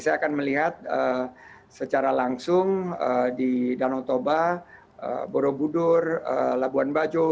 saya akan melihat secara langsung di danau toba borobudur labuan bajo